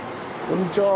こんにちは。